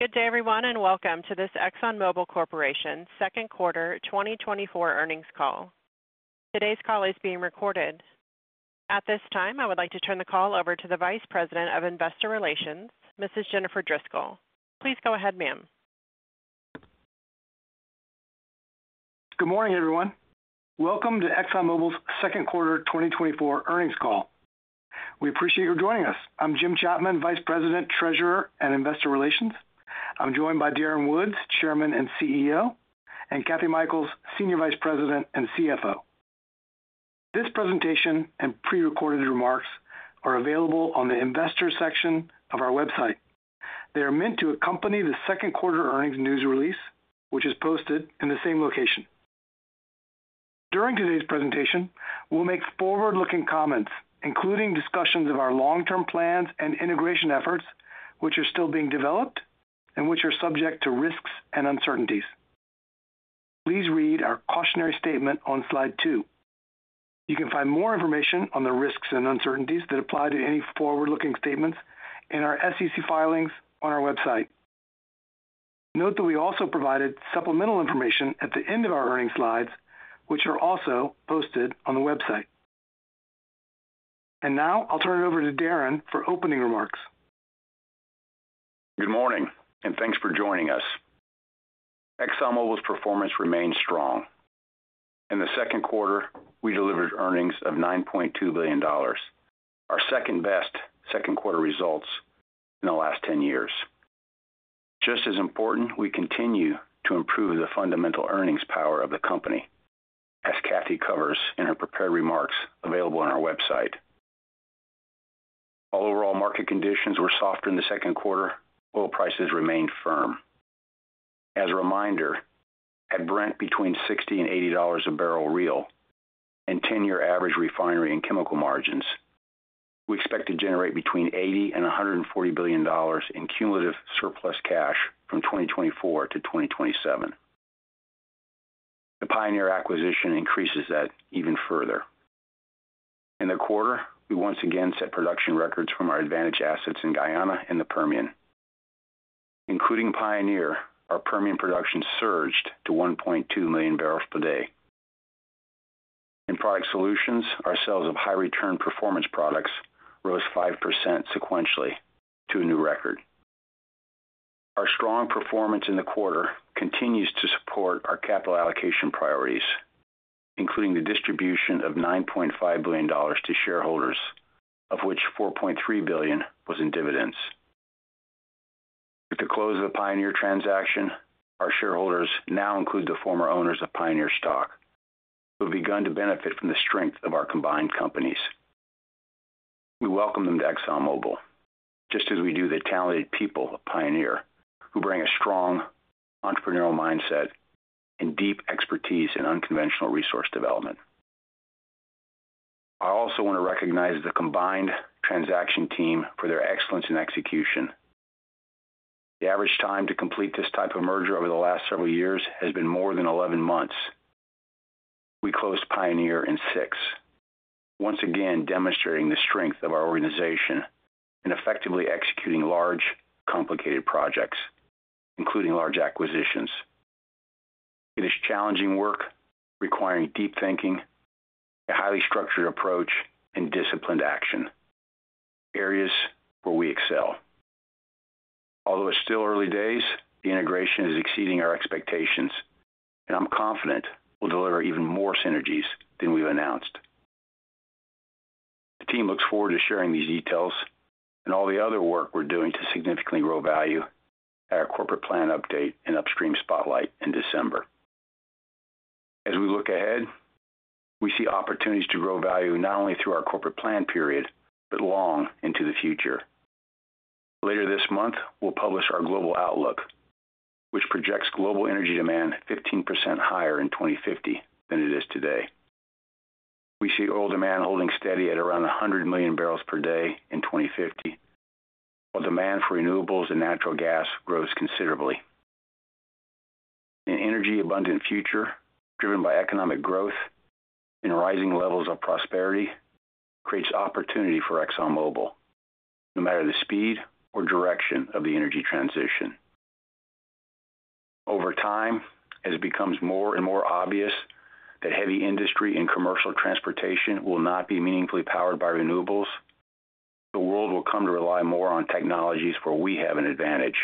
Good day, everyone, and welcome to this ExxonMobil Corporation Second Quarter 2024 Earnings Call. Today's call is being recorded. At this time, I would like to turn the call over to the Vice President of Investor Relations, Mrs. Jennifer Driscoll. Please go ahead, ma'am. Good morning, everyone. Welcome to ExxonMobil's Second Quarter 2024 Earnings Call. We appreciate your joining us. I'm Jim Chapman, Vice President, Treasurer and Investor Relations. I'm joined by Darren Woods, Chairman and CEO, and Kathy Mikells, Senior Vice President and CFO. This presentation and pre-recorded remarks are available on the Investor section of our website. They are meant to accompany the second-quarter earnings news release, which is posted in the same location. During today's presentation, we'll make forward-looking comments, including discussions of our long-term plans and integration efforts, which are still being developed and which are subject to risks and uncertainties. Please read our cautionary statement on slide two. You can find more information on the risks and uncertainties that apply to any forward-looking statements in our SEC filings on our website. Note that we also provided supplemental information at the end of our earnings slides, which are also posted on the website. Now I'll turn it over to Darren for opening remarks. Good morning, and thanks for joining us. ExxonMobil's performance remains strong. In the second quarter, we delivered earnings of $9.2 billion, our second-best second-quarter results in the last 10 years. Just as important, we continue to improve the fundamental earnings power of the company, as Kathy covers in her prepared remarks available on our website. While overall market conditions were softer in the second quarter, oil prices remained firm. As a reminder, at Brent, between $60-$80 a barrel real and 10-year average refinery and chemical margins, we expect to generate between $80 billion-$140 billion in cumulative surplus cash from 2024-2027. The Pioneer acquisition increases that even further. In the quarter, we once again set production records from our advantage assets in Guyana and the Permian. Including Pioneer, our Permian production surged to 1.2 million barrels per day. In Product Solutions, our sales of high-return performance products rose 5% sequentially to a new record. Our strong performance in the quarter continues to support our capital allocation priorities, including the distribution of $9.5 billion to shareholders, of which $4.3 billion was in dividends. With the close of the Pioneer transaction, our shareholders now include the former owners of Pioneer stock, who have begun to benefit from the strength of our combined companies. We welcome them to ExxonMobil, just as we do the talented people of Pioneer, who bring a strong entrepreneurial mindset and deep expertise in unconventional resource development. I also want to recognize the combined transaction team for their excellence in execution. The average time to complete this type of merger over the last several years has been more than 11 months. We closed Pioneer in six, once again demonstrating the strength of our organization in effectively executing large, complicated projects, including large acquisitions. It is challenging work, requiring deep thinking, a highly structured approach, and disciplined action, areas where we excel. Although it's still early days, the integration is exceeding our expectations. I'm confident we'll deliver even more synergies than we've announced. The team looks forward to sharing these details, and all the other work we're doing to significantly grow value at our corporate plan update and upstream spotlight in December. As we look ahead, we see opportunities to grow value not only through our corporate plan period, but long into the future. Later this month, we'll publish our global outlook, which projects global energy demand 15% higher in 2050 than it is today. We see oil demand holding steady at around 100 million barrels per day in 2050, while demand for renewables and natural gas grows considerably. An energy-abundant future, driven by economic growth and rising levels of prosperity creates opportunity for ExxonMobil, no matter the speed or direction of the energy transition. Over time, as it becomes more and more obvious that heavy industry and commercial transportation will not be meaningfully powered by renewables, the world will come to rely more on technologies where we have an advantage,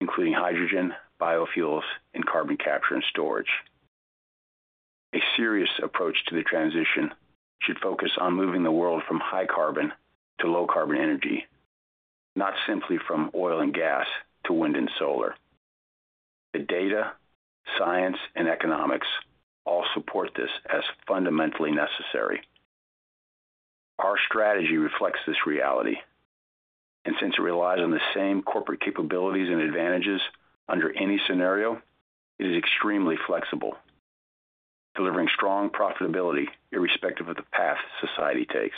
including hydrogen, biofuels, and carbon capture and storage. A serious approach to the transition should focus on moving the world from high-carbon to low-carbon energy, not simply from oil and gas to wind and solar. The data, science, and economics all support this as fundamentally necessary. Our strategy reflects this reality. Since it relies on the same corporate capabilities and advantages under any scenario, it is extremely flexible, delivering strong profitability irrespective of the path society takes.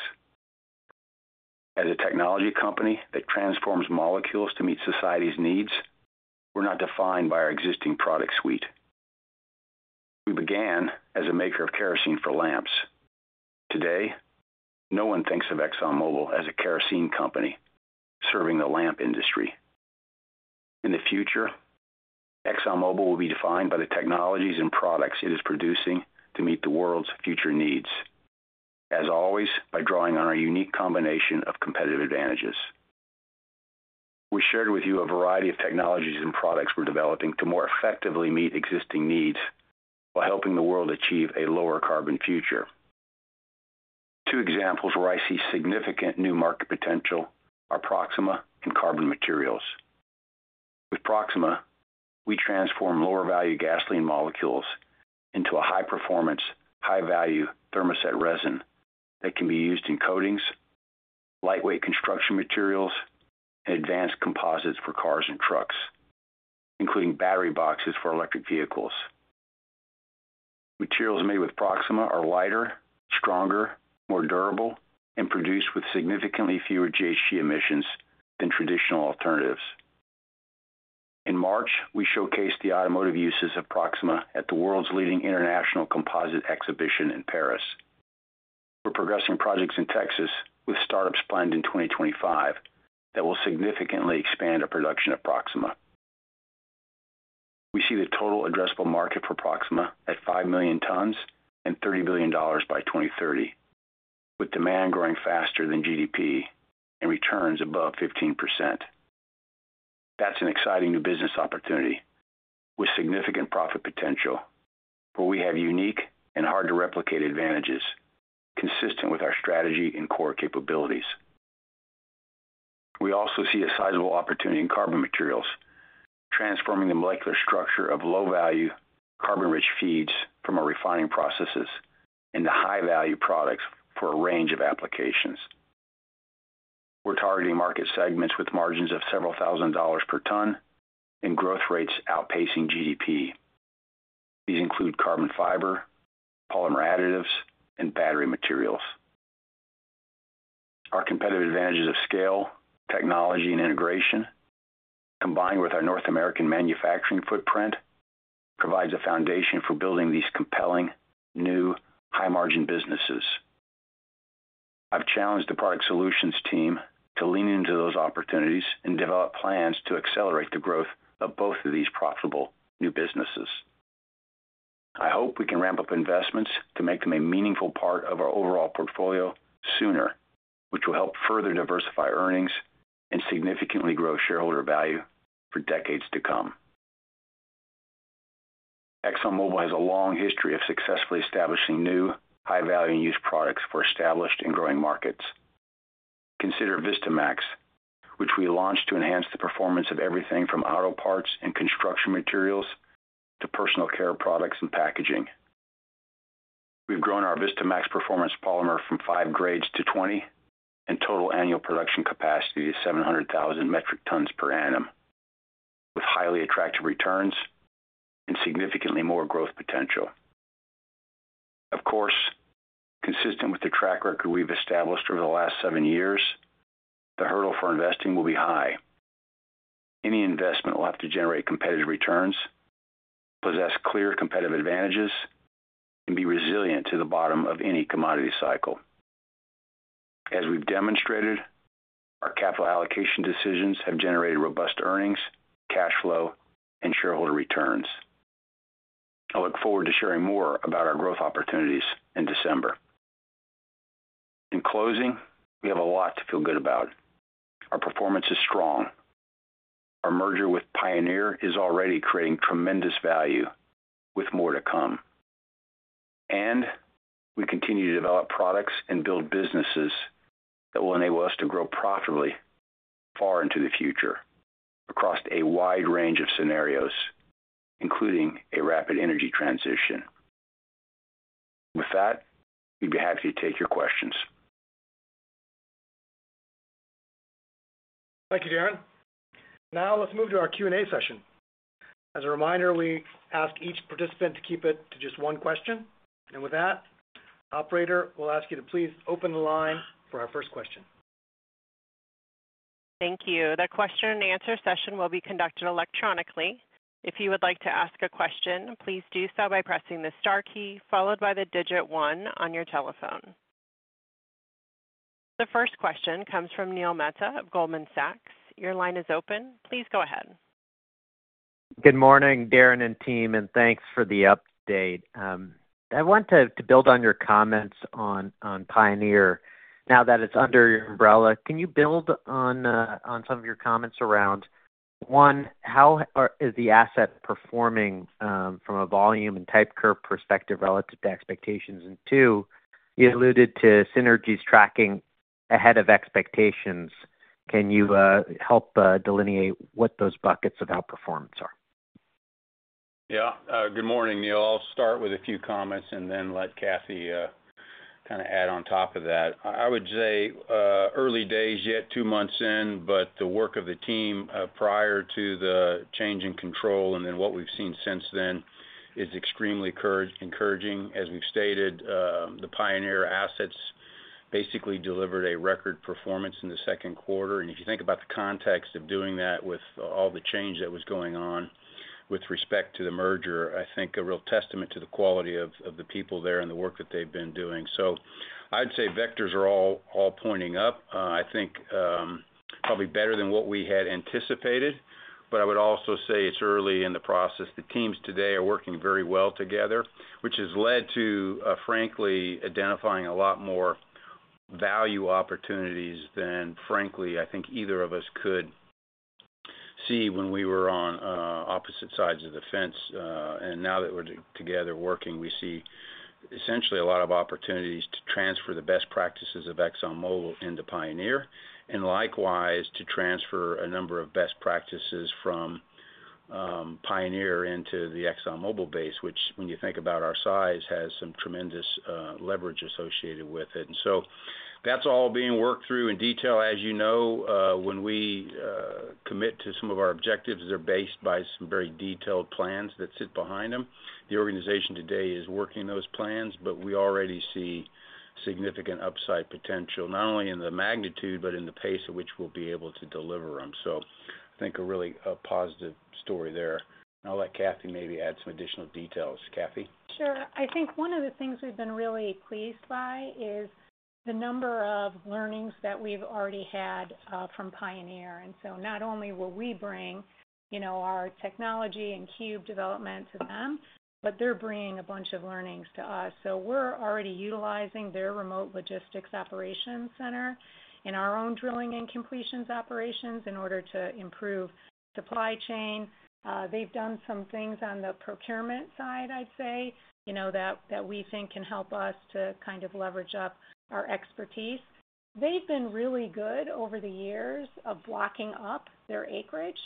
As a technology company that transforms molecules to meet society's needs, we're not defined by our existing product suite. We began as a maker of kerosene for lamps. Today, no one thinks of ExxonMobil as a kerosene company serving the lamp industry. In the future, ExxonMobil will be defined by the technologies and products it is producing to meet the world's future needs, as always, by drawing on our unique combination of competitive advantages. We shared with you a variety of technologies, and products we're developing to more effectively meet existing needs while helping the world achieve a lower-carbon future. Two examples where I see significant new market potential are Proxxima and carbon materials. With Proxxima, we transform lower-value gasoline molecules into a high-performance, high-value thermoset resin that can be used in coatings, lightweight construction materials, and advanced composites for cars and trucks, including battery boxes for electric vehicles. Materials made with Proxxima are lighter, stronger, more durable, and produced with significantly fewer GHG emissions than traditional alternatives. In March, we showcased the automotive uses of Proxxima at the world's leading international composite exhibition in Paris. We're progressing projects in Texas, with startups planned in 2025 that will significantly expand our production of Proxxima. We see the total addressable market for Proxxima at 5 million t and $30 billion by 2030, with demand growing faster than GDP and returns above 15%. That's an exciting new business opportunity with significant profit potential, where we have unique and hard-to-replicate advantages consistent with our strategy and core capabilities. We also see a sizable opportunity in carbon materials, transforming the molecular structure of low-value, carbon-rich feeds from our refining processes into high-value products for a range of applications. We're targeting market segments with margins of several thousand dollars per ton and growth rates outpacing GDP. These include carbon fiber, polymer additives, and battery materials. Our competitive advantages of scale, technology, and integration, combined with our North American manufacturing footprint, provide the foundation for building these compelling, new, high-margin businesses. I've challenged the Product Solutions team to lean into those opportunities, and develop plans to accelerate the growth of both of these profitable new businesses. I hope we can ramp up investments to make them a meaningful part of our overall portfolio sooner, which will help further diversify earnings and significantly grow shareholder value for decades to come. ExxonMobil has a long history of successfully establishing new, high-value and used products for established and growing markets. Consider Vistamaxx, which we launched to enhance the performance of everything from auto parts, and construction materials to personal care products and packaging. We've grown our Vistamaxx performance polymer from 5 grades to 20, and total annual production capacity is 700,000 MT per annum, with highly attractive returns and significantly more growth potential. Of course, consistent with the track record we've established over the last seven years, the hurdle for investing will be high. Any investment will have to generate competitive returns, possess clear competitive advantages, and be resilient to the bottom of any commodity cycle. As we've demonstrated, our capital allocation decisions have generated robust earnings, cash flow, and shareholder returns. I look forward to sharing more about our growth opportunities in December. In closing, we have a lot to feel good about. Our performance is strong. Our merger with Pioneer is already creating tremendous value, with more to come. We continue to develop products and build businesses that will enable us to grow profitably far into the future across a wide range of scenarios, including a rapid energy transition. With that, we'd be happy to take your questions. Thank you, Darren. Now let's move to our Q&A session. As a reminder, we ask each participant to keep it to just one question. With that, operator, we'll ask you to please open the line for our first question. Thank you. The question-and-answer session will be conducted electronically. If you would like to ask a question, please do so by pressing the star key followed by the digit one on your telephone. The first question comes from Neil Mehta of Goldman Sachs. Your line is open. Please go ahead. Good morning, Darren and team, and thanks for the update. I want to build on your comments on Pioneer. Now that it's under your umbrella, can you build on some of your comments around, one, how is the asset performing from a volume and type curve perspective relative to expectations? Two, you alluded to synergies tracking ahead of expectations. Can you help delineate what those buckets of outperformance are? Yeah. Good morning, Neil. I'll start with a few comments and then let Kathy kind of add on top of that. I would say, early days yet, two months in, but the work of the team prior to the change in control and then what we've seen since then is extremely encouraging. As we've stated, the Pioneer assets basically delivered a record performance in the second quarter. If you think about the context of doing that with all the change that was going on with respect to the merger, I think a real testament to the quality of the people there and the work that they've been doing. I'd say vectors are all pointing up. I think probably better than what we had anticipated, but I would also say it's early in the process. The teams today are working very well together, which has led to frankly, identifying a lot more value opportunities than frankly I think either of us could see when we were on opposite sides of the fence. Now that we're together working, we see essentially a lot of opportunities to transfer the best practices of ExxonMobil into Pioneer, and likewise to transfer a number of best practices from Pioneer into the ExxonMobil base, which when you think about our size, has some tremendous leverage associated with it. That's all being worked through in detail. As you know, when we commit to some of our objectives, they're based by some very detailed plans that sit behind them. The organization today is working those plans, but we already see significant upside potential, not only in the magnitude but in the pace at which we'll be able to deliver them. I think a really positive story there. I'll let Kathy maybe add some additional details. Kathy? Sure. I think one of the things we've been really pleased by is the number of learnings that we've already had from Pioneer. Not only will we bring our technology and cube development to them, but they're bringing a bunch of learnings to us. We're already utilizing their remote logistics operations center, and our own drilling and completions operations in order to improve supply chain. They've done some things on the procurement side, I'd say, that we think can help us to kind of leverage up our expertise. They've been really good over the years of blocking up their acreage.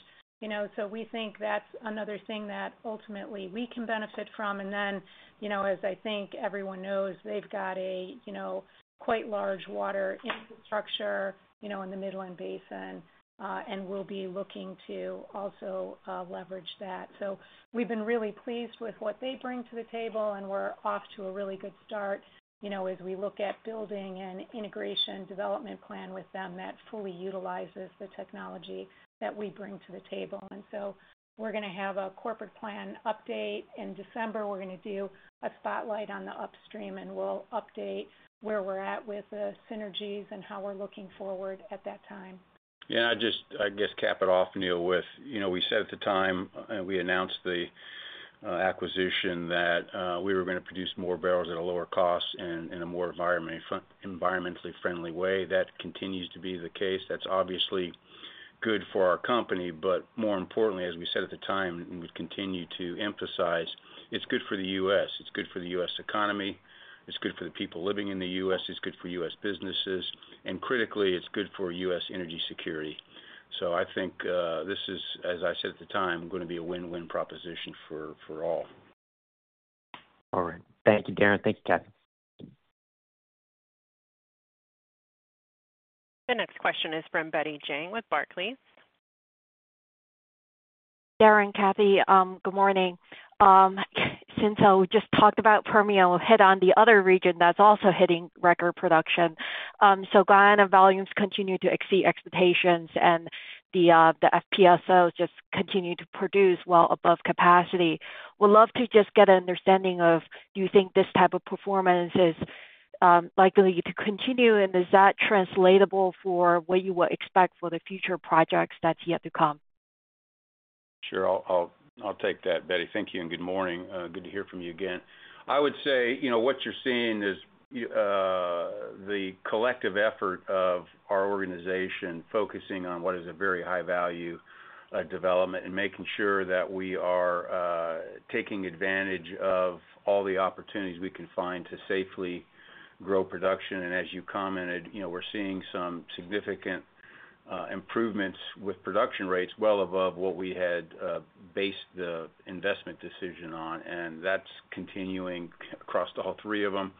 We think that's another thing that ultimately we can benefit from. Then as I think everyone knows, they've got a quite large water infrastructure in the Midland Basin and will be looking to also leverage that. We've been really pleased with what they bring to the table, and we're off to a really good start as we look at building an integration development plan with them, that fully utilizes the technology that we bring to the table. We're going to have a corporate plan update in December. We're going to do a spotlight on the upstream, and we'll update where we're at with the synergies and how we're looking forward at that time. Yeah. I guess I'll cap it off, Neil with, we said at the time we announced the acquisition that we were going to produce more barrels at a lower cost and in a more environmentally friendly way. That continues to be the case. That's obviously good for our company. More importantly, as we said at the time, and we continue to emphasize, it's good for the U.S. It's good for the U.S. economy. It's good for the people living in the U.S. It's good for U.S. businesses. Critically, it's good for U.S. energy security. I think this is, as I said at the time, going to be a win-win proposition for all. All right. Thank you, Darren. Thank you, Kathy. The next question is from Betty Jiang with Barclays. Darren and Kathy, good morning. Since we just talked about Permian, we'll hit on the other region that's also hitting record production. Guyana volumes continue to exceed expectations, and the FPSOs just continue to produce well above capacity. Would love to just get an understanding of, do you think this type of performance is likely to continue, and is that translatable for what you would expect for the future projects that's yet to come? Sure. I'll take that, Betty. Thank you, and good morning. Good to hear from you again. I would say, what you're seeing is the collective effort of our organization focusing on what is a very high-value development, and making sure that we are taking advantage of all the opportunities we can find to safely grow production. As you commented, we're seeing some significant improvements with production rates well above what we had based the investment decision on. That's continuing across all three of them.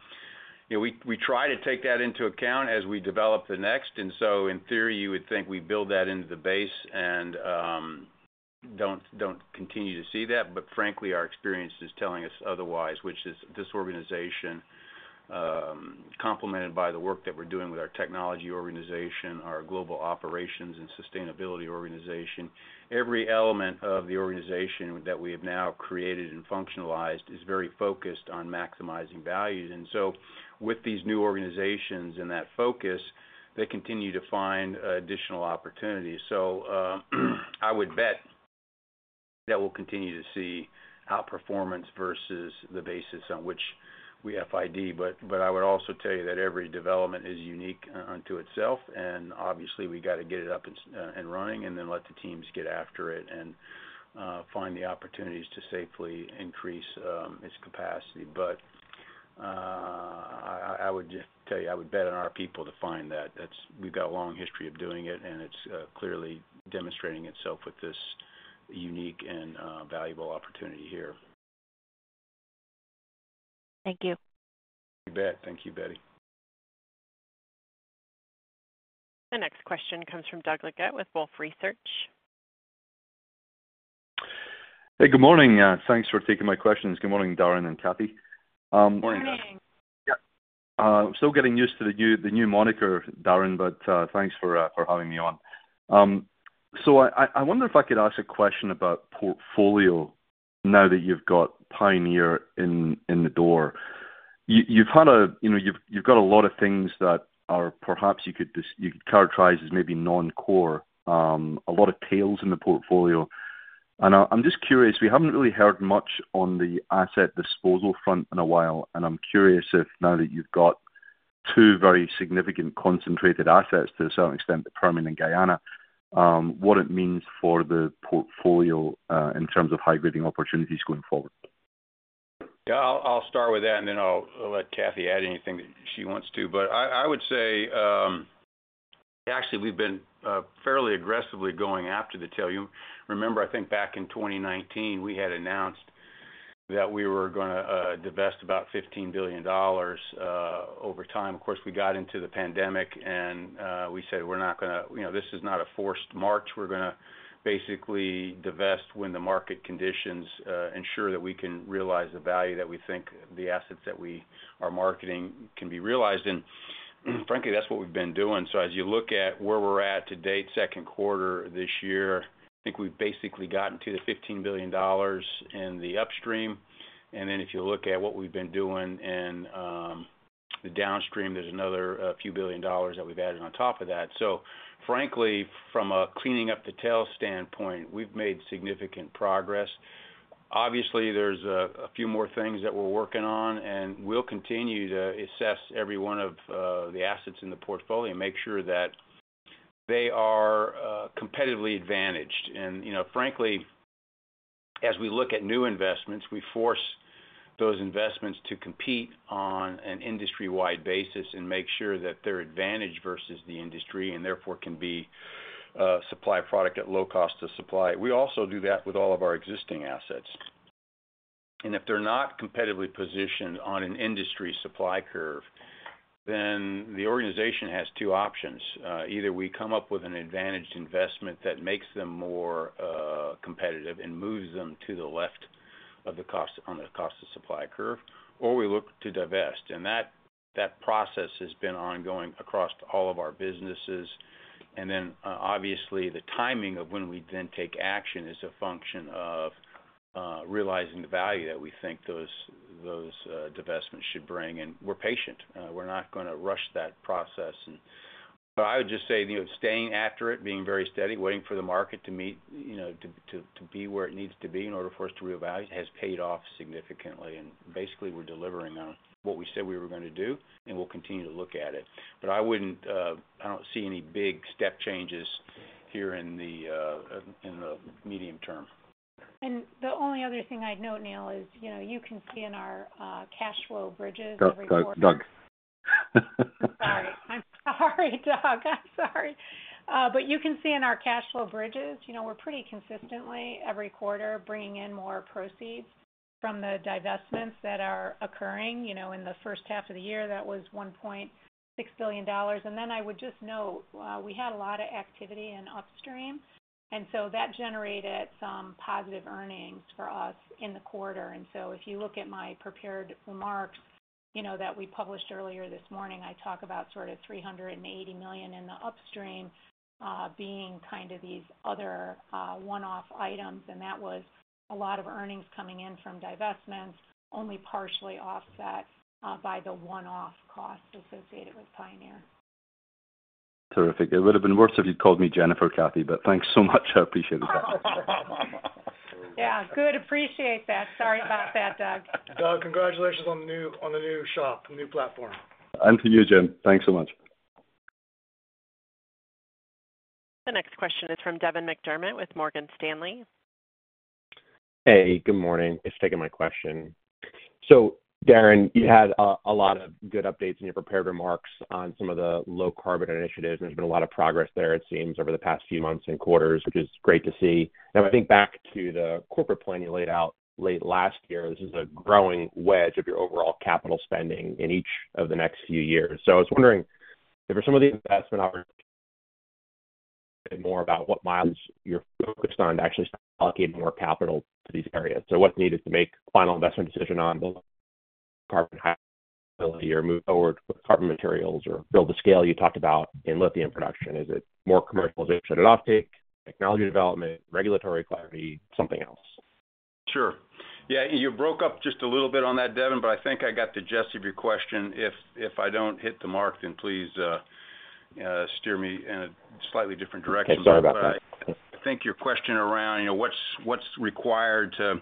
We try to take that into account as we develop the next. In theory, you would think we build that into the base and don't continue to see that. Frankly, our experience is telling us otherwise, which is this organization, complemented by the work that we're doing with our technology organization, our global operations and sustainability organization, every element of the organization that we have now created and functionalized is very focused on maximizing value. With these new organizations and that focus, they continue to find additional opportunities. I would bet that we'll continue to see outperformance versus the basis on which we FID, but I would also tell you that every development is unique unto itself. Obviously, we got to get it up and running, and then let the teams get after it and find the opportunities to safely increase its capacity. I would just tell you, I would bet on our people to find that. We've got a long history of doing it, and it's clearly demonstrating itself with this unique and valuable opportunity here. Thank you. You bet. Thank you, Betty. The next question comes from Doug Leggate with Wolfe Research. Hey, good morning. Thanks for taking my questions. Good morning, Darren and Kathy. Good morning. Morning. Yeah. Still getting used to the new moniker, Darren, but thanks for having me on. I wonder if I could ask a question about portfolio now that you've got Pioneer in the door. You've got a lot of things that are perhaps, you could characterize as maybe non-core, a lot of tails in the portfolio. I'm just curious, we haven't really heard much on the asset disposal front in a while. I'm curious, if now that you've got two very significant concentrated assets to a certain extent, the Permian and Guyana, what it means for the portfolio in terms of high-grading opportunities going forward. Yeah. I'll start with that, and then I'll let Kathy add anything that she wants to. I would say, actually we've been fairly aggressively going after the tail. You remember, I think back in 2019, we had announced that we were going to divest about $15 billion over time. Of course, we got into the pandemic, and we said, "This is not a forced march. We're going to basically divest when the market conditions ensure that we can realize the value that, we think the assets that we are marketing can be realized in." Frankly, that's what we've been doing. As you look at where we're at to date, second quarter this year, I think we've basically gotten to the $15 billion in the upstream. Then if you look at what we've been doing in the downstream, there's another a few billion dollars that we've added on top of that. Frankly, from a cleaning up the tail standpoint, we've made significant progress. Obviously, there's a few more things that we're working on, and we'll continue to assess every one of the assets in the portfolio, and make sure that they are competitively advantaged. Frankly, as we look at new investments, we force those investments to compete on an industry-wide basis and make sure that they're advantaged versus the industry, and therefore can be supply product at low cost of supply. We also do that with all of our existing assets. If they're not competitively positioned on an industry supply curve, then the organization has two options. Either we come up with an advantaged investment that makes them more competitive and moves them to the left on the cost of supply curve, or we look to divest. That process has been ongoing across all of our businesses. Then obviously, the timing of when we then take action is a function of realizing the value that we think those divestments should bring, and we're patient. We're not going to rush that process. I would just say staying after it, being very steady, waiting for the market to be where it needs to be in order for us to re-evaluate has paid off significantly. Basically, we're delivering on what we said we were going to do, and we'll continue to look at it. I don' see any big step changes here in the medium term. The only other thing I'd note, Neil, is you can see in our cash flow bridges every quarter. Doug. Sorry. I'm sorry, Doug. I'm sorry. You can see in our cash flow bridges, we're pretty consistently every quarter bringing in more proceeds from the divestments that are occurring. In the first half of the year, that was $1.6 billion. Then I would just note, we had a lot of activity in upstream, and so that generated some positive earnings for us in the quarter. If you look at my prepared remarks that we published earlier this morning, I talk about sort of $380 million in the upstream being kind of these other one-off items. That was a lot of earnings coming in from divestments, only partially offset by the one-off costs associated with Pioneer. Terrific. It would have been worse if you'd called me Jennifer or Kathy, but thanks so much. I appreciate it. Yeah. Good, appreciate that. Sorry about that, Doug. Doug, congratulations on the new shop, new platform. To you, Jim. Thanks so much. The next question is from Devin McDermott with Morgan Stanley. Hey, good morning. Thanks for taking my question. Darren, you had a lot of good updates in your prepared remarks on some of the low-carbon initiatives. There's been a lot of progress there, it seems, over the past few months and quarters, which is great to see. Now, I think back to the corporate plan you laid out late last year, this is a growing wedge of your overall capital spending in each of the next few years. I was wondering, if there's some more [about the investment opportunities], what milestones you're focused on to actually allocate more capital to these areas. What's needed to make final investment decision on low-carbon high viability or move forward with carbon materials, or build the scale you talked about in lithium production? Is it more commercialization and offtake, technology development, regulatory clarity, something else? Sure, yeah. You broke up just a little bit on that, Devin, but I think I got the gist of your question. If I don't hit the mark, then please steer me in a slightly different direction. Yeah. Sorry about that. I think your question around, what's required to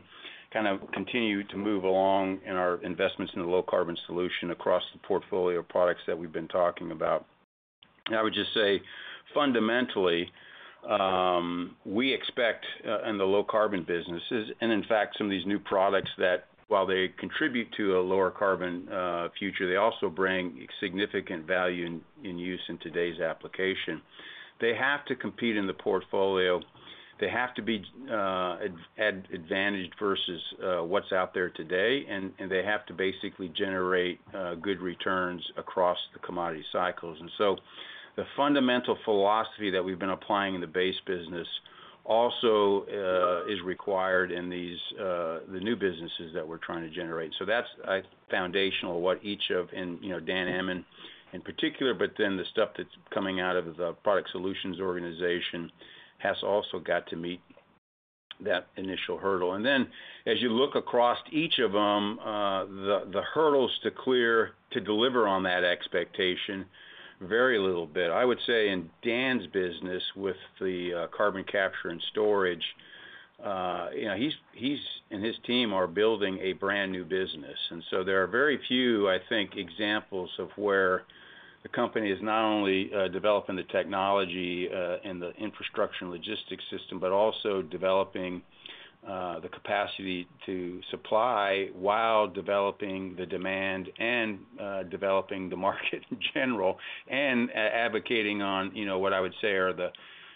kind of continue to move along in our investments in the low-carbon solution across the portfolio of products that we've been talking about? I would just say, fundamentally, we expect in the low-carbon businesses, and in fact some of these new products that while they contribute to a lower carbon future, they also bring significant value in use in today's application. They have to compete in the portfolio. They have to be advantaged versus what's out there today, and they have to basically generate good returns across the commodity cycles. The fundamental philosophy that we've been applying in the base business also, is required in the new businesses that we're trying to generate. That's foundational to what each of, and Dan Ammann in particular, but then the stuff that's coming out of the product solutions organization has also got to meet that initial hurdle. Then as you look across each of them, the hurdles to deliver on that expectation vary a little bit. I would say in Dan's business with the carbon capture and storage, he and his team are building a brand new business. There are very few, I think, examples of where the company is not only developing the technology and the infrastructure and logistics system, but also developing the capacity to supply while developing the demand. Developing the market in general, and advocating on what I would say are the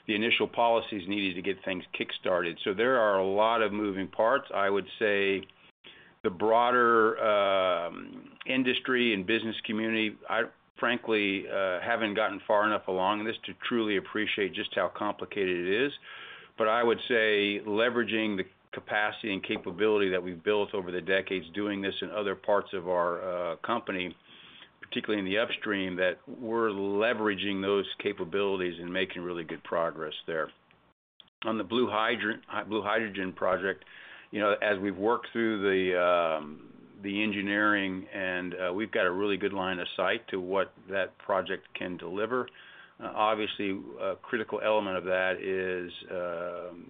initial policies needed to get things kickstarted. There are a lot of moving parts. I would say the broader industry and business community frankly haven't gotten far enough along in this to truly appreciate just how complicated it is. I would say leveraging the capacity and capability that we've built over the decades doing this in other parts of our company, particularly in the upstream, that we're leveraging those capabilities and making really good progress there. On the blue hydrogen project, as we've worked through the engineering, we've got a really good line of sight to what that project can deliver. Obviously, a critical element of that is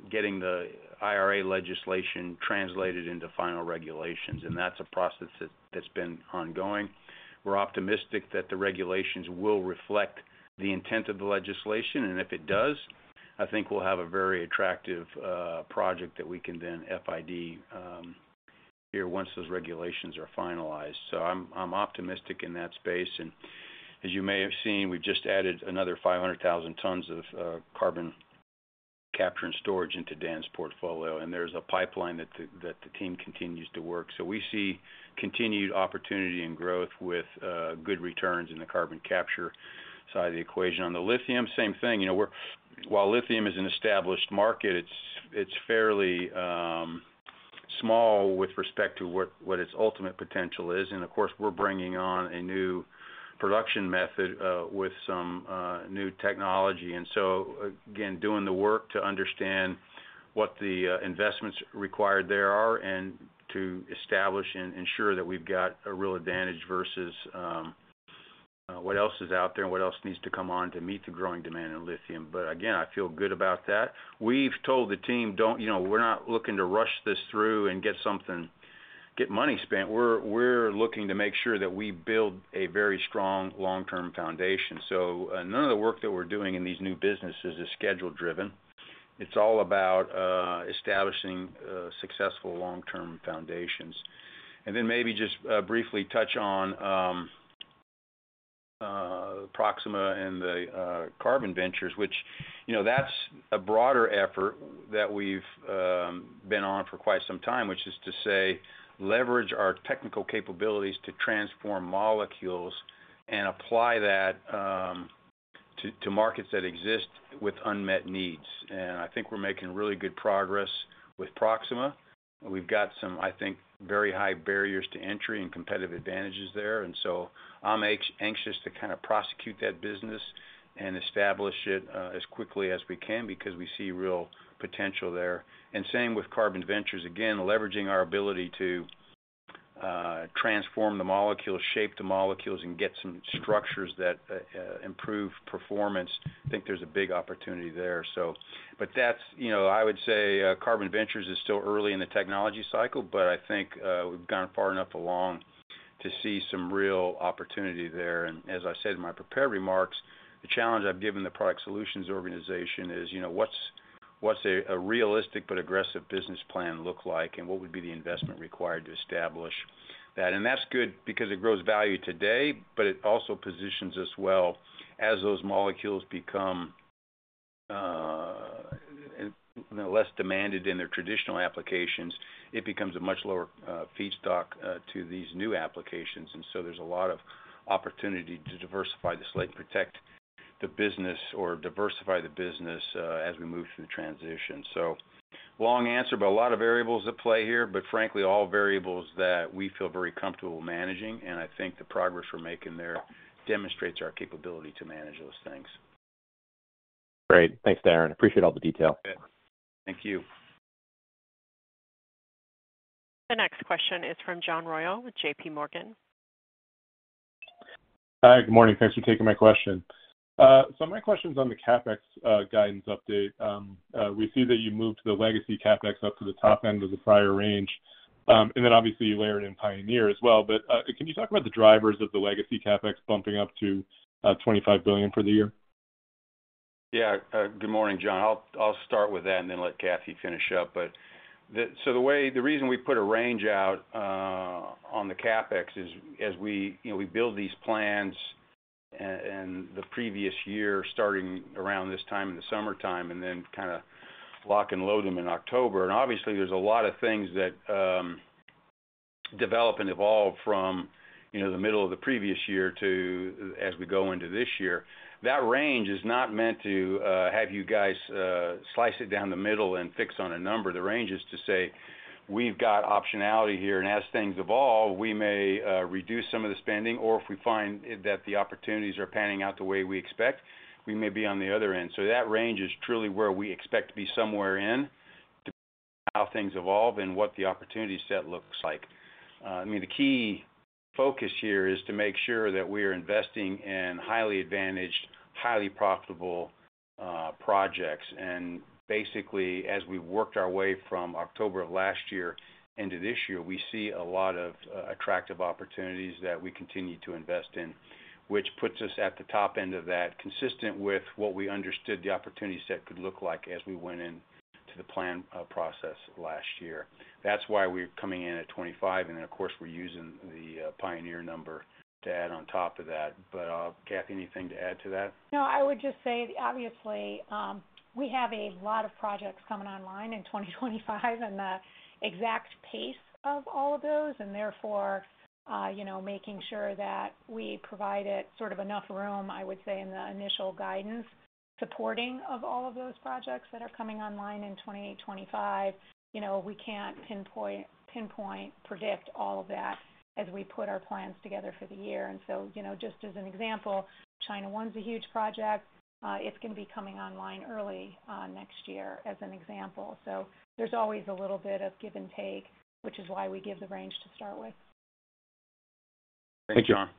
getting the IRA legislation translated into final regulations. That's a process that's been ongoing. We're optimistic that the regulations will reflect the intent of the legislation. If it does, I think we'll have a very attractive project that we can then FID here once those regulations are finalized. I'm optimistic in that space. As you may have seen, we've just added another 500,000 t of carbon capture and storage into Dan's portfolio. There's a pipeline that the team continues to work. We see continued opportunity and growth with good returns in the carbon capture side of the equation. On the lithium, same thing. While lithium is an established market, it's fairly small with respect to what its ultimate potential is. Of course, we're bringing on a new production method with some new technology. Again, doing the work to understand what the investments required there are and to establish, and ensure that we've got a real advantage versus what else is out there and what else needs to come on to meet the growing demand in lithium? Again, I feel good about that. We've told the team, "We're not looking to rush this through and get money spent. We're looking to make sure that we build a very strong long-term foundation." None of the work that we're doing in these new businesses is schedule-driven. It's all about establishing successful long-term foundations. Then maybe just briefly touch on Proxxima and the carbon ventures, which that's a broader effort that we've been on for quite some time, which is to say, leverage our technical capabilities to transform molecules and apply that to markets that exist with unmet needs. I think we're making really good progress with Proxxima. We've got some, I think very high barriers to entry and competitive advantages there. I'm anxious to kind of prosecute that business and establish it as quickly as we can because we see real potential there, and same with carbon ventures. Again, leveraging our ability to transform the molecules, shape the molecules, and get some structures that improve performance. I think there's a big opportunity there. I would say carbon ventures is still early in the technology cycle, but I think we've gone far enough along to see some real opportunity there. As I said in my prepared remarks, the challenge I've given the Product Solutions organization is, what's a realistic, but aggressive business plan looks like and what would be the investment required to establish that? That's good because it grows value today, but it also positions us well as those molecules become less demanded in their traditional applications, it becomes a much lower feedstock to these new applications. There's a lot of opportunity to diversify the slate and protect the business or diversify the business as we move through the transition. Long answer, but a lot of variables at play here, but frankly, all variables that we feel very comfortable managing. I think the progress we're making there demonstrates our capability to manage those things. Great. Thanks, Darren. Appreciate all the detail. Yeah. Thank you. The next question is from John Royall with JPMorgan. Hi. Good morning. Thanks for taking my question. My question's on the CapEx guidance update. We see that you moved the legacy CapEx up to the top end of the prior range. Then obviously, you layered in Pioneer as well. Can you talk about the drivers of the legacy CapEx bumping up to $25 billion for the year? Yeah. Good morning, John. I'll start with that and then let Kathy finish up. The reason we put a range out on the CapEx is, as we build these plans in the previous year, starting around this time in the summertime and then kind of lock and load them in October, obviously, there's a lot of things that develop and evolve from the middle of the previous year to as we go into this year. That range is not meant to have you guys slice it down the middle and fix on a number. The range is to say, we've got optionality here. As things evolve, we may reduce some of the spending or if we find that the opportunities are panning out the way we expect, we may be on the other end. That range is truly where we expect to be somewhere in to how things evolve, and what the opportunity set looks like. I mean, the key focus here is to make sure that we are investing in highly advantaged, highly profitable projects. Basically, as we worked our way from October of last year into this year, we see a lot of attractive opportunities that we continue to invest in, which puts us at the top end of that, consistent with what we understood the opportunity set could look like as we went into the plan process last year. That's why we're coming in at 25. Then of course we're using the Pioneer number to add on top of that. Kathy, anything to add to that? No, I would just say, obviously we have a lot of projects coming online in 2025 and the exact pace of all of those. Therefore, making sure that we provide it sort of enough room, I would say, in the initial guidance supporting of all of those projects that are coming online in 2025. We can't pinpoint, predict all of that as we put our plans together for the year. Just as an example, China 1's a huge project. It's going to be coming online early next year as an example. There's always a little bit of give and take, which is why we give the range to start with. Thank you, John.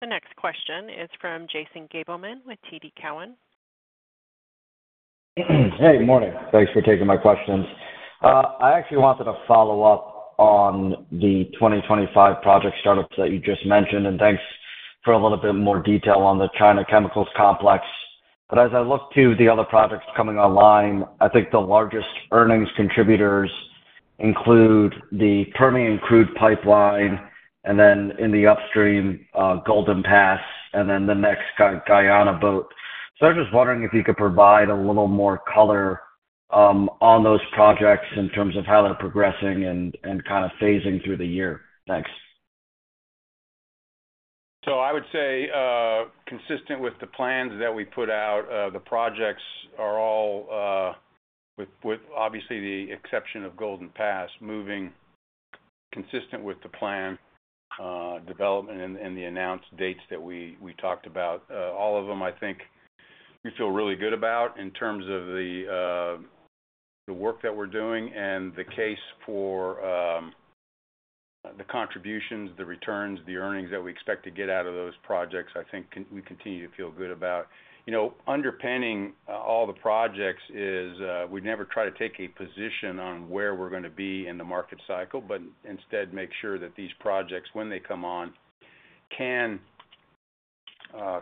The next question is from Jason Gabelman with TD Cowen. Hey, good morning. Thanks for taking my questions. I actually wanted to follow up on the 2025 project startups that you just mentioned. Thanks for a little bit more detail on the China chemicals complex. As I look to the other projects coming online, I think the largest earnings contributors include the Permian Crude Pipeline, and then in the upstream, Golden Pass, and then the next, Guyana boat. I was just wondering if you could provide a little more color on those projects in terms of how they're progressing and kind of phasing through the year. Thanks. I would say, consistent with the plans that we put out, the projects are all, with obviously the exception of Golden Pass, moving consistent with the plan development and the announced dates that we talked about. All of them, I think we feel really good about in terms of the work that we're doing and the case for the contributions, the returns, the earnings that we expect to get out of those projects, I think we continue to feel good about. Underpinning all the projects is, we never try to take a position on where we're going to be in the market cycle, but instead make sure that these projects, when they come on, can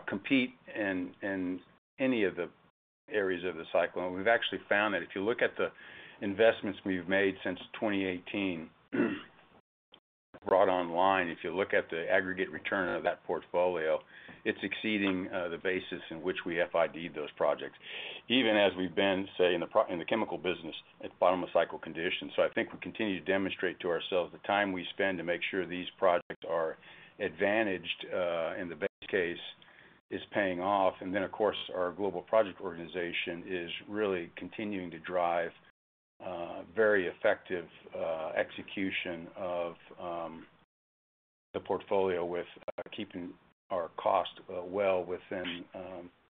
compete in any of the areas of the cycle. We've actually found that if you look at the investments we've made since 2018, brought online, if you look at the aggregate return of that portfolio, it's exceeding the basis in which we FID those projects, even as we've been, say in the chemical business at the bottom of cycle conditions. I think we continue to demonstrate to ourselves, the time we spend to make sure these projects are advantaged in the base case is paying off. Then of course, our global project organization is really continuing to drive very effective execution of the portfolio with keeping our cost well within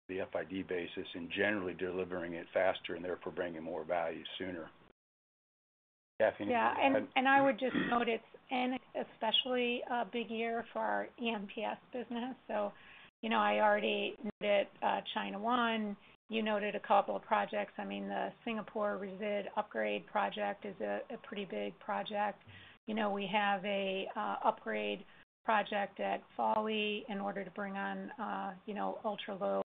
the FID basis, and generally delivering it faster and therefore bringing more value sooner. Kathy, anything? Yeah. I would just note, it's an especially big year for our EMPS business. I already noted China 1. You noted a couple of projects. I mean, the Singapore Resid Upgrade project is a pretty big project. We have an upgrade project at Fawley, in order to bring on ultra-low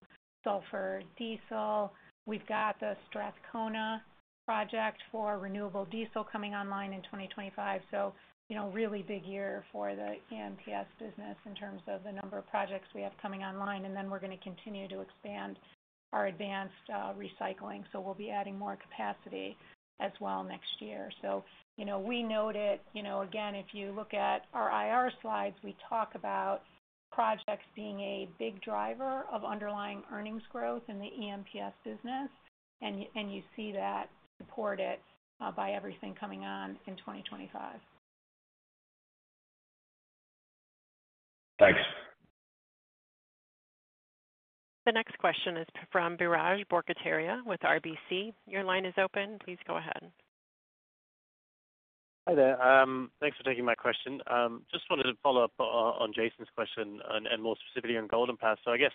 sulfur diesel. We've got the Strathcona project for renewable diesel, coming online in 2025. Really big year for the EMPS business in terms of the number of projects we have coming online. Then we're going to continue to expand our advanced recycling, so we'll be adding more capacity as well next year. We noted again, if you look at our IR slides, we talk about projects being a big driver of underlying earnings growth in the EMPS business. You see that supported by everything coming on in 2025. Thanks. The next question is from Biraj Borkhataria with RBC. Your line is open. Please go ahead. Hi there. Thanks for taking my question. Just wanted to follow up on Jason's question, and more specifically on Golden Pass. I guess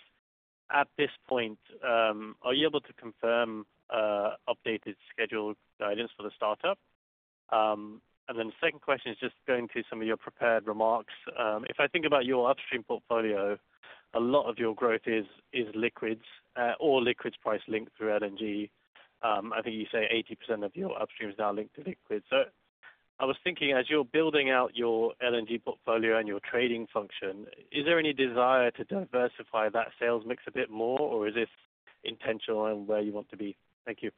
at this point, are you able to confirm updated schedule guidance for the startup? Then the second question is just going to some of your prepared remarks. If I think about your upstream portfolio, a lot of your growth is liquids or liquids price-linked through LNG. I think you say 80% of your upstream is now linked to liquids. I was thinking, as you're building out your LNG portfolio and your trading function, is there any desire to diversify that sales mix a bit more or is this intentional and where you want to be? Thank you.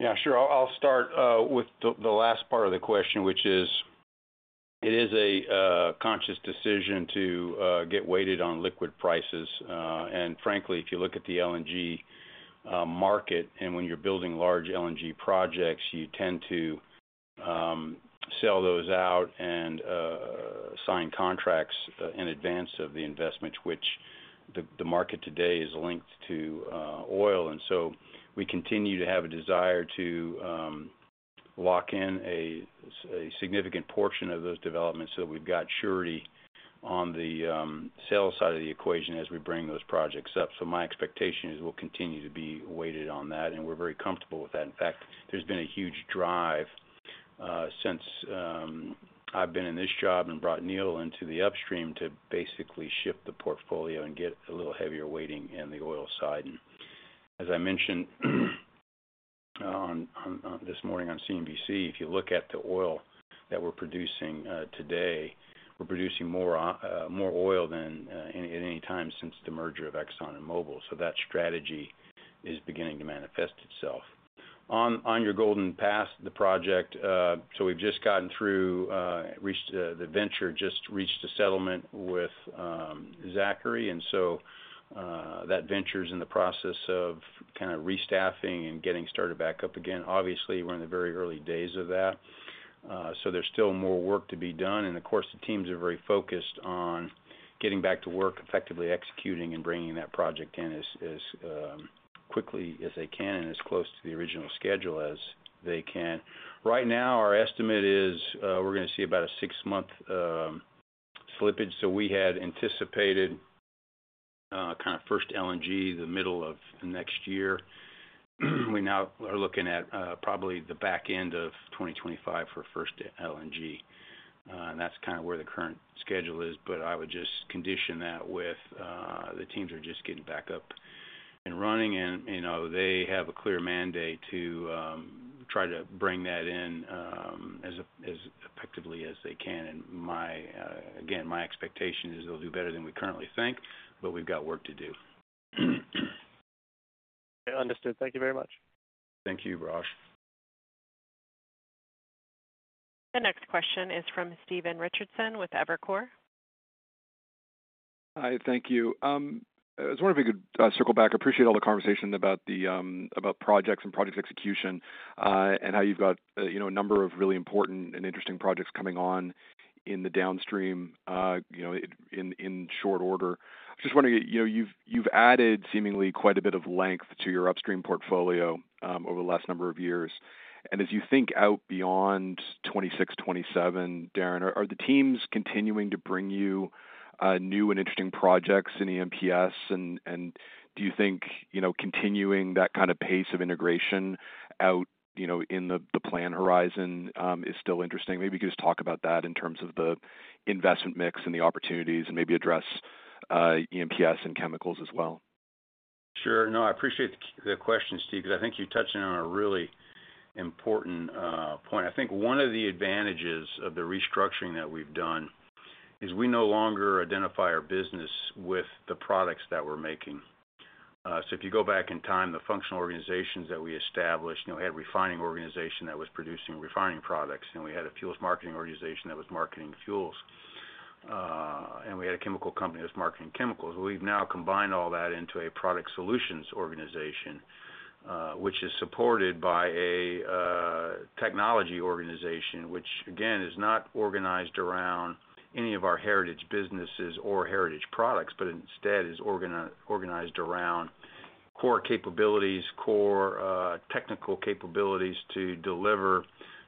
Yeah, sure. I'll start with the last part of the question, which is, it is a conscious decision to get weighted on liquid prices. Frankly, if you look at the LNG market and when you're building large LNG projects, you tend to sell those out and sign contracts in advance of the investments, which the market today is linked to oil. We continue to have a desire to lock in a significant portion of those developments, so that we've got surety on the sales side of the equation as we bring those projects up. My expectation is we'll continue to be weighted on that. We're very comfortable with that. In fact, there's been a huge drive since I've been in this job, and brought Neil into the upstream to basically shift the portfolio and get a little heavier weighting in the oil side. As I mentioned this morning on CNBC, if you look at the oil that we're producing today, we're producing more oil than at any time since the merger of Exxon and Mobil. That strategy is beginning to manifest itself. On your Golden Pass, the project, so we've just gotten through the venture, just reached a settlement with Zachry. That venture is in the process of kind of re-staffing, and getting started back up again. Obviously, we're in the very early days of that, so there's still more work to be done. Of course, the teams are very focused on getting back to work, effectively executing and bringing that project in as quickly as they can and as close to the original schedule as they can. Right now, our estimate is, we're going to see about a six-month slippage. We had anticipated kind of first LNG, the middle of next year. We now are looking at probably the back end of 2025 for first LNG. That's kind of where the current schedule is. I would just condition that with, the teams are just getting back up and running. They have a clear mandate to try to bring that in as effectively as they can. Again, my expectation is they'll do better than we currently think, but we've got work to do. Understood. Thank you very much. Thank you, Raj. The next question is from Stephen Richardson with Evercore. Hi. Thank you. I just wonder if we could circle back. I appreciate all the conversation about projects and project execution, and how you've got a number of really important and interesting projects coming on in the downstream in short order. I'm just wondering, you've added seemingly quite a bit of length to your upstream portfolio over the last number of years. As you think out beyond 2026, 2027, Darren, are the teams continuing to bring you new and interesting projects in EMPS? Do you think continuing that kind of pace of integration out in the plan horizon is still interesting? Maybe you could just talk about that in terms of the investment mix, and the opportunities and maybe address EMPS and chemicals as well. Sure. No, I appreciate the question, Steve, because I think you're touching on a really important point. I think one of the advantages of the restructuring that we've done is, we no longer identify our business with the products that we're making. If you go back in time, the functional organizations that we established, we had a refining organization that was producing refining products. We had a fuels marketing organization that was marketing fuels. We had a chemical company that was marketing chemicals. We've now combined all that into a product solutions organization, which is supported by a technology organization, which again is not organized around any of our heritage businesses or heritage products, but instead is organized around core technical capabilities to deliver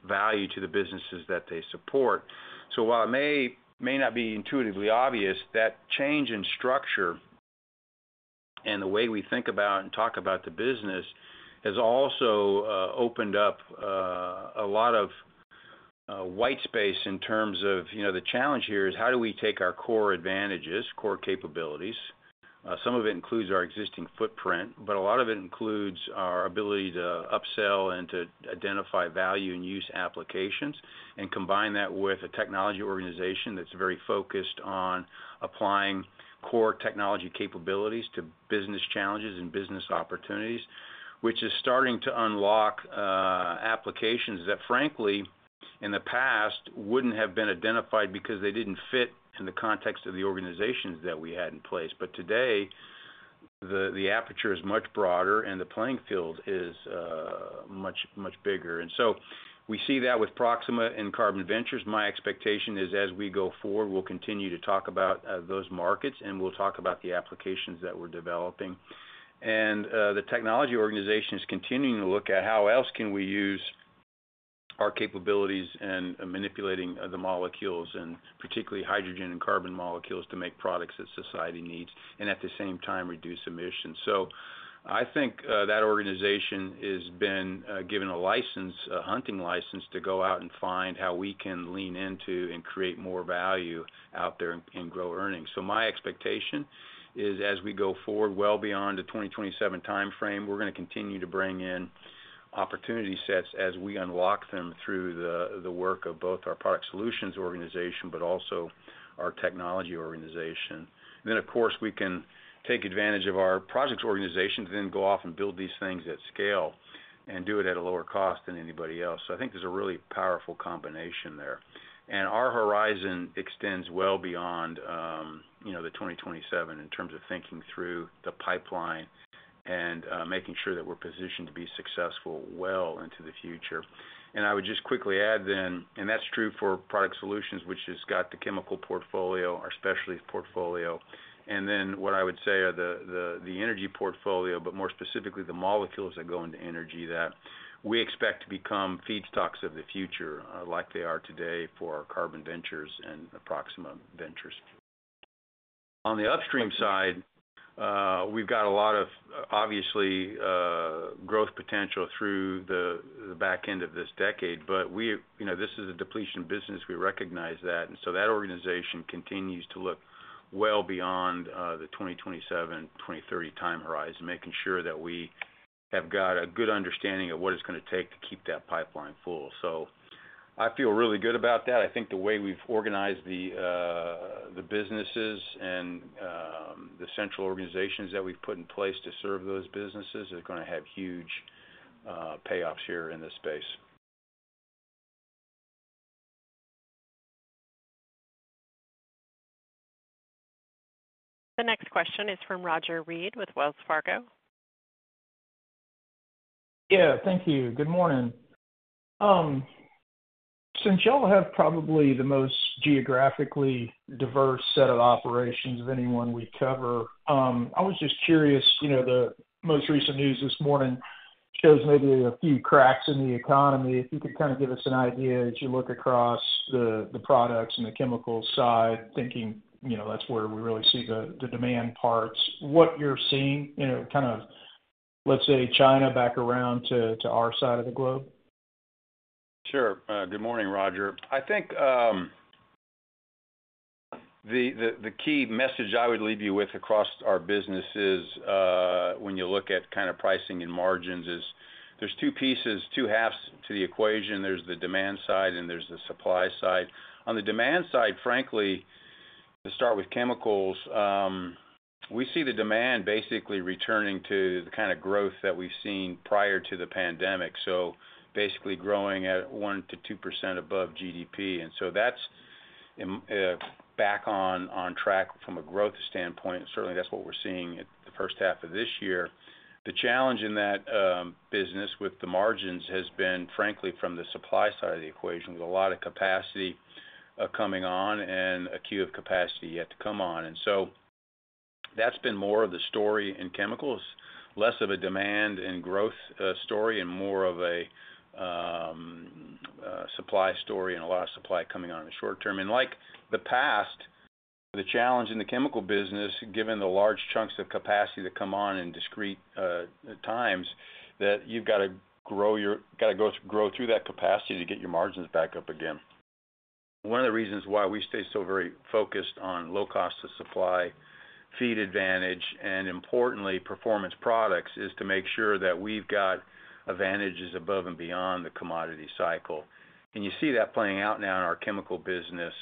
value to the businesses that they support. While it may not be intuitively obvious, that change in structure and the way we think about and talk about the business has also opened up a lot of white space in terms of, the challenge here is, how do we take our core advantages, core capabilities? Some of it includes our existing footprint, but a lot of it includes our ability to upsell and to identify value and use applications, and combine that with a technology organization that's very focused on applying core technology capabilities to business challenges and business opportunities. Which is starting to unlock applications that frankly in the past wouldn't have been identified, because they didn't fit in the context of the organizations that we had in place. Today, the aperture is much broader and the playing field is much bigger. We see that with Proxxima and Carbon Ventures. My expectation is, as we go forward, we'll continue to talk about those markets and we'll talk about the applications that we're developing. The technology organization is continuing to look at, how else can we use our capabilities in manipulating the molecules, and particularly hydrogen and carbon molecules to make products that society needs and at the same time reduce emissions? I think that organization has been given a license, a hunting license to go out and find how we can lean into and create more value out there and grow earnings. My expectation is, as we go forward well beyond the 2027 timeframe, we're going to continue to bring in opportunity sets as we unlock them through the work of both our product solutions organization, but also our technology organization. Then of course, we can take advantage of our projects organization to then go off and build these things at scale and do it at a lower cost than anybody else. I think there's a really powerful combination there. Our horizon extends well beyond 2027 in terms of thinking through the pipeline, and making sure that we're positioned to be successful well into the future. I would just quickly add then, and that's true for Product Solutions, which has got the chemical portfolio, our specialty portfolio. Then what I would say are the energy portfolio, but more specifically the molecules that go into energy, that we expect to become feedstocks of the future like they are today for Carbon Ventures and Proxxima Ventures. On the upstream side, we've got a lot of obviously growth potential through the back end of this decade, but this is a depletion business. We recognize that. That organization continues to look well beyond the 2027, 2030 time horizon, making sure that we have got a good understanding of what it's going to take to keep that pipeline full. I feel really good about that. I think the way we've organized the businesses, and the central organizations that we've put in place to serve those businesses is going to have huge payoffs here in this space. The next question is from Roger Read with Wells Fargo. Yeah. Thank you. Good morning. Since y'all have probably the most geographically diverse set of operations of anyone we cover, I was just curious, the most recent news this morning shows maybe a few cracks in the economy. If you could kind of give us an idea as you look across the products and the chemical side, thinking that's where we really see the demand parts, what you're seeing, kind of let's say, China back around to our side of the globe? Sure. Good morning, Roger. I think the key message I would leave you with across our business is, when you look at kind of pricing and margins is, there's two halves to the equation. There's the demand side, and there's the supply side. On the demand side, frankly to start with chemicals, we see the demand basically returning to the kind of growth that we've seen prior to the pandemic. Basically, growing at 1%-2% above GDP, and so that's back on track from a growth standpoint. Certainly, that's what we're seeing the first half of this year. The challenge in that business with the margins has been frankly from the supply side of the equation with a lot of capacity coming on and a queue of capacity yet to come on. That's been more of the story in chemicals, less of a demand and growth story and more of a supply story, and a lot of supply coming on in the short term. Like the past, the challenge in the chemical business, given the large chunks of capacity that come on in discrete times, that you've got to grow through that capacity to get your margins back up again. One of the reasons why we stay so very focused on low cost of supply, feed advantage, and importantly performance products, is to make sure that we've got advantages above and beyond the commodity cycle. You see that playing out now in our chemical business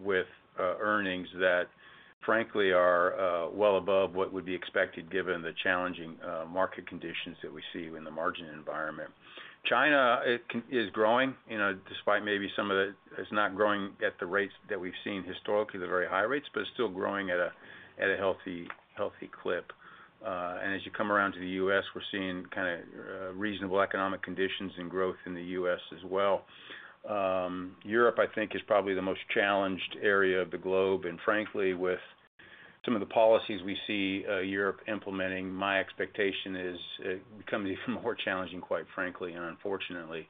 with earnings that frankly are well above what would be expected, given the challenging market conditions that we see in the margin environment. China is growing, despite maybe, it's not growing at the rates that we've seen historically, the very high rates, but it's still growing at a healthy clip. As you come around to the U.S., we're seeing kind of reasonable economic conditions and growth in the U.S. as well. Europe, I think is probably the most challenged area of the globe. Frankly, with some of the policies we see Europe implementing, my expectation is it becomes even more challenging quite frankly. Unfortunately,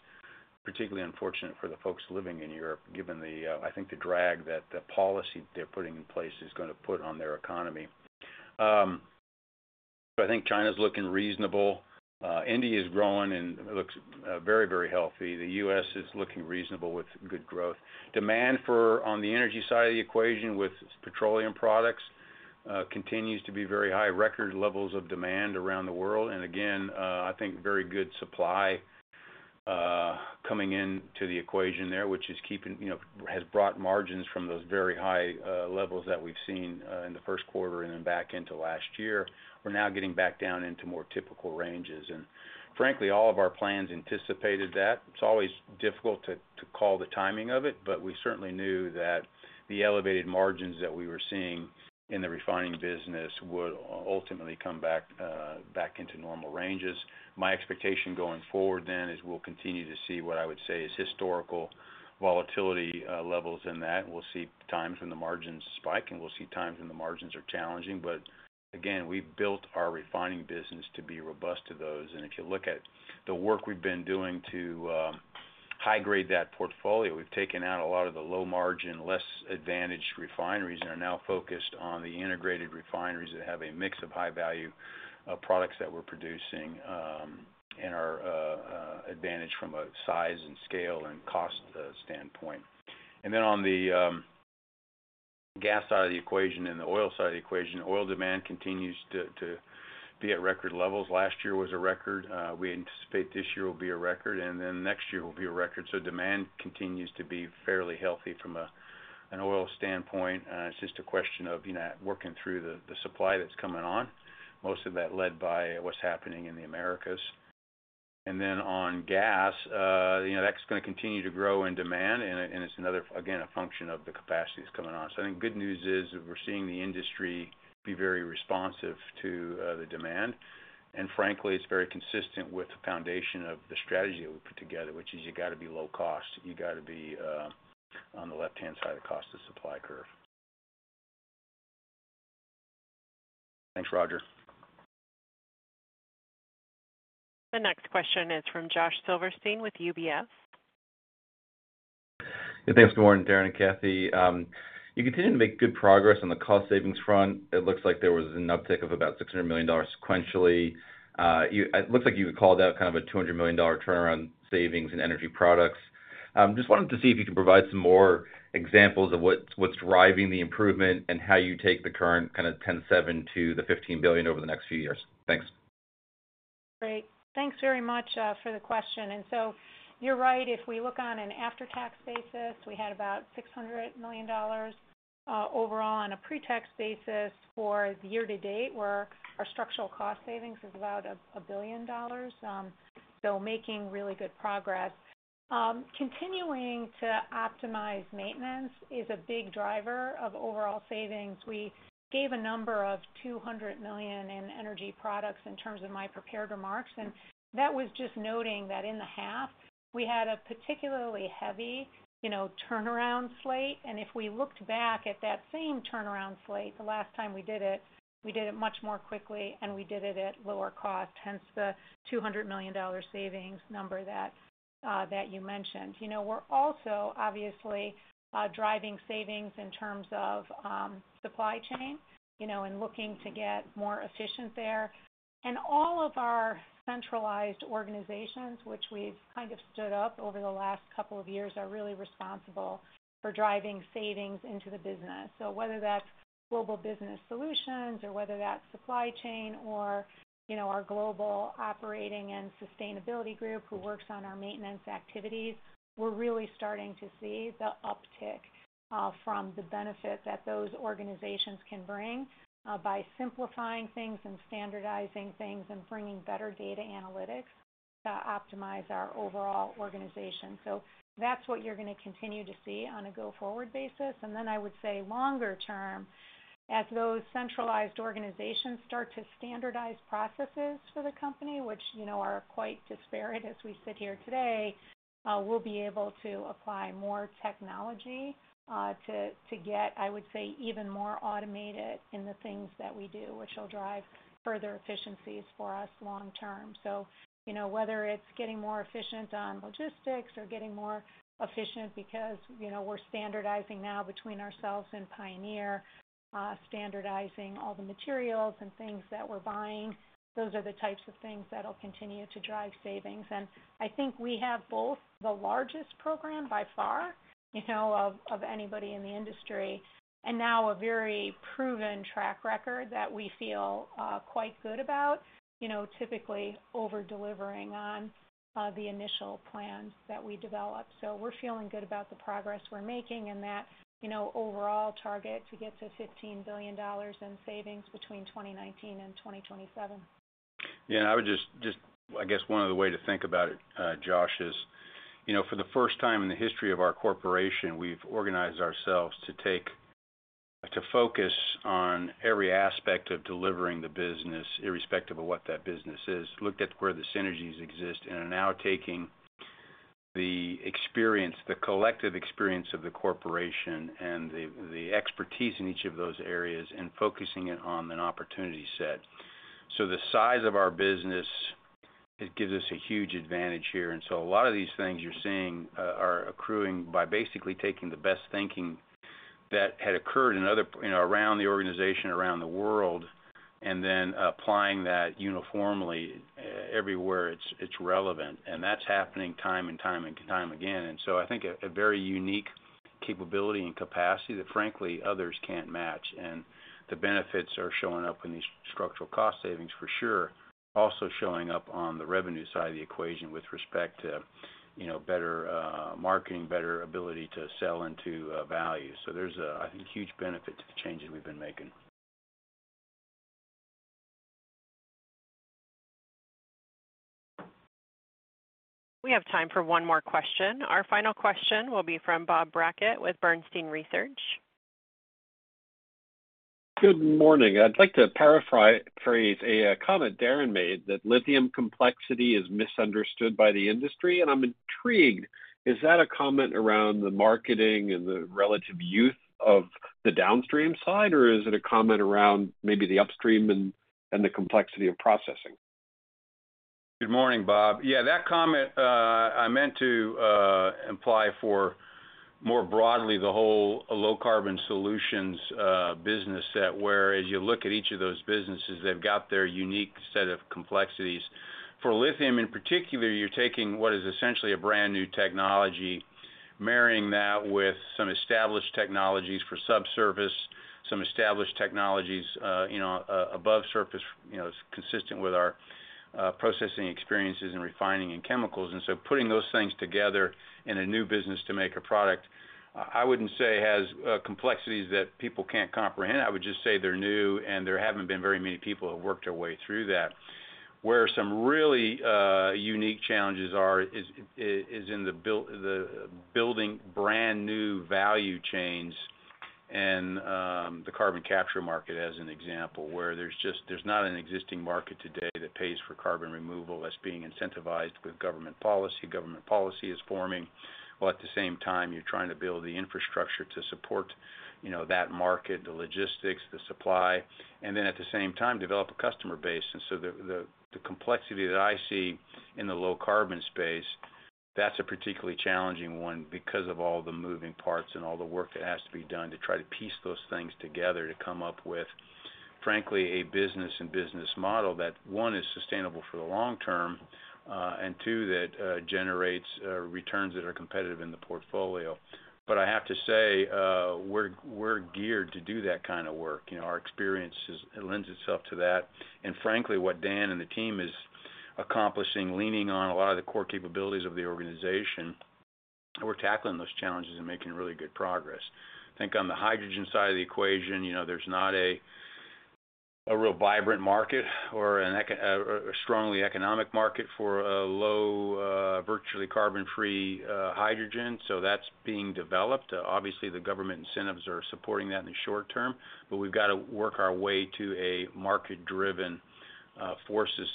particularly unfortunate for the folks living in Europe, given I think the drag the policy they're putting in place is going to put on their economy. I think China's looking reasonable. India is growing and looks very, very healthy. The U.S. is looking reasonable with good growth. Demand for on the energy side of the equation with petroleum products continues to be very high, record levels of demand around the world. Again, I think very good supply coming into the equation there, which has brought margins from those very high levels that we've seen in the first quarter and then back into last year. We're now getting back down into more typical ranges. Frankly, all of our plans anticipated that. It's always difficult to call the timing of it, but we certainly knew that the elevated margins that we were seeing in the refining business would ultimately come back into normal ranges. My expectation going forward then is we'll continue to see what I would say is historical volatility levels in that. We'll see times when the margins spike, and we'll see times when the margins are challenging. Again, we've built our refining business to be robust to those. If you look at the work we've been doing to high-grade that portfolio, we've taken out a lot of the low-margin, less advantaged refineries and are now focused on the integrated refineries that have a mix of high-value products that we're producing, and are advantaged from a size and scale and cost standpoint. Then on the gas side of the equation and the oil side of the equation, oil demand continues to be at record levels. Last year was a record. We anticipate this year will be a record. Then next year will be a record. Demand continues to be fairly healthy from an oil standpoint. It's just a question of working through the supply that's coming on, most of that led by what's happening in the Americas. Then on gas, that's going to continue to grow in demand. It's another, again, a function of the capacity that's coming on. I think good news is, we're seeing the industry be very responsive to the demand. Frankly, it's very consistent with the foundation of the strategy that we put together, which is, you got to be low cost. You got to be on the left-hand side of the cost of supply curve. Thanks, Roger. The next question is from Josh Silverstein with UBS. Yeah. Thanks. Good morning, Darren and Kathy. You continue to make good progress on the cost savings front. It looks like there was an uptick of about $600 million sequentially. It looks like you called out kind of a $200 million turnaround savings in energy products. Just wanted to see if you could provide some more examples of what's driving the improvement, and how you take the current kind of [$1.07 billion]-$15 billion over the next few years. Thanks. Great. Thanks very much for the question, so you're right. If we look on an after-tax basis, we had about $600 million overall on a pre-tax basis for the year to date, where our structural cost savings is about $1 billion, so making really good progress. Continuing to optimize maintenance is a big driver of overall savings. We gave a number of $200 million in energy products in terms of my prepared remarks. That was just noting that in the half, we had a particularly heavy turnaround slate. If we looked back at that same turnaround slate the last time we did it, we did it much more quickly and we did it at lower cost, hence the $200 million savings number that you mentioned. We're also obviously driving savings in terms of supply chain, and looking to get more efficient there. All of our centralized organizations, which we've kind of stood up over the last couple of years, are really responsible for driving savings into the business. Whether that's global business solutions or whether that's supply chain or our global operating and sustainability group, who works on our maintenance activities, we're really starting to see the uptick from the benefit that those organizations can bring by simplifying things and standardizing things, and bringing better data analytics to optimize our overall organization. That's what you're going to continue to see on a go-forward basis. Then I would say longer term, as those centralized organizations start to standardize processes for the company, which are quite disparate as we sit here today, we'll be able to apply more technology to get, I would say, even more automated in the things that we do, which will drive further efficiencies for us long term. Whether it's getting more efficient on logistics or getting more efficient because we're standardizing now between ourselves and Pioneer, standardizing all the materials and things that we're buying, those are the types of things that'll continue to drive savings. I think we have both the largest program by far of anybody in the industry and now a very proven track record that we feel quite good about, typically over-delivering on the initial plans that we develop. We're feeling good about the progress we're making, and that overall target to get to $15 billion in savings between 2019 and 2027. Yeah. I guess, one other way to think about it, Josh is for the first time in the history of our corporation, we've organized ourselves to focus on every aspect of delivering the business, irrespective of what that business is. Looked at where the synergies exist and are now taking the collective experience of the corporation, and the expertise in each of those areas and focusing it on an opportunity set. The size of our business gives us a huge advantage here. A lot of these things you're seeing are accruing by basically taking the best thinking that had occurred around the organization, around the world and then applying that uniformly everywhere it's relevant. That's happening time and time again. I think a very unique capability and capacity that frankly others can't match. The benefits are showing up in these structural cost savings for sure, also showing up on the revenue side of the equation with respect to better marketing, better ability to sell into value. There's I think a huge benefit to the changes we've been making. We have time for one more question. Our final question will be from Bob Brackett with Bernstein Research. Good morning. I'd like to paraphrase a comment Darren made, that lithium complexity is misunderstood by the industry. I'm intrigued, is that a comment around the marketing and the relative youth of the downstream side, or is it a comment around maybe the upstream and the complexity of processing? Good morning, Bob. Yeah, that comment, I meant to imply for more broadly the whole low-carbon solutions business set, where as you look at each of those businesses, they've got their unique set of complexities. For lithium in particular, you're taking what is essentially a brand new technology, marrying that with some established technologies for subsurface, some established technologies above surface, consistent with our processing experiences in refining and chemicals. Putting those things together in a new business to make a product, I wouldn't say has complexities that people can't comprehend. I would just say they're new, and there haven't been very many people who have worked their way through that. Where some really unique challenges are is in building brand new value chains and the carbon capture market as an example, where there's not an existing market today that pays for carbon removal that's being incentivized with government policy. Government policy is forming. At the same time, you're trying to build the infrastructure to support that market, the logistics, the supply. Then at the same time, develop a customer base. The complexity that I see in the low-carbon space, that's a particularly challenging one because of all the moving parts and all the work that has to be done to try to piece those things together to come up with frankly a business and business model that, one, is sustainable for the long term, and two, that generates returns that are competitive in the portfolio. I have to say, we're geared to do that kind of work. Our experience lends itself to that. Frankly, what Dan and the team is accomplishing, leaning on a lot of the core capabilities of the organization, we're tackling those challenges and making really good progress. I think on the hydrogen side of the equation, there's not a real vibrant market or a strongly economic market for low, virtually carbon-free hydrogen. That's being developed. Obviously, the government incentives are supporting that in the short term, but we've got to work our way to a market-driven force,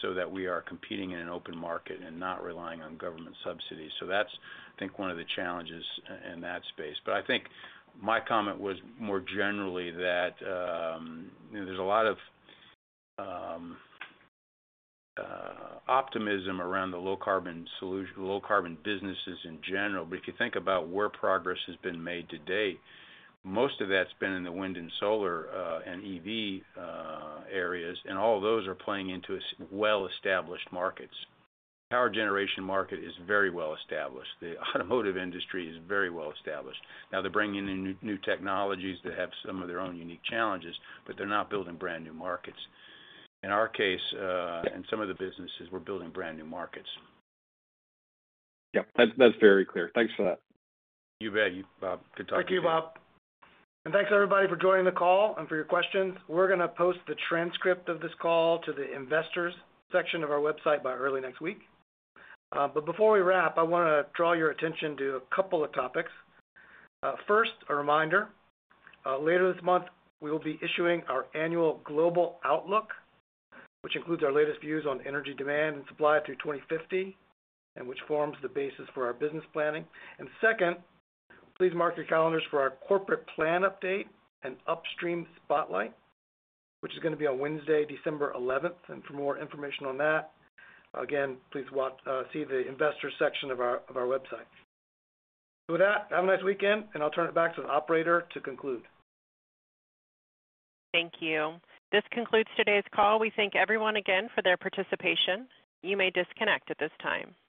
so that we are competing in an open market and not relying on government subsidies. That's I think one of the challenges in that space, but I think my comment was more generally that there's a lot of optimism around the low-carbon businesses in general. If you think about where progress has been made to date, most of that's been in the wind and solar, and EV areas. All of those are playing into well-established markets. The power generation market is very well established. The automotive industry is very well established. Now, they're bringing in new technologies that have some of their own unique challenges, but they're not building brand new markets. In our case and some of the businesses, we're building brand new markets. Yep. That's very clear. Thanks for that. You bet. Bob, good talking to you. Thank you, Bob. Thanks, everybody for joining the call and for your questions. We're going to post the transcript of this call to the investors section of our website by early next week. Before we wrap, I want to draw your attention to a couple of topics. First, a reminder. Later this month, we will be issuing our annual global outlook, which includes our latest views on energy demand and supply through 2050 and which forms the basis for our business planning. Second, please mark your calendars for our corporate plan update and upstream spotlight, which is going to be on Wednesday, December 11th. For more information on that, again please see the investors section of our website. With that, have a nice weekend, and I'll turn it back to the operator to conclude. Thank you. This concludes today's call. We thank everyone again for their participation. You may disconnect at this time.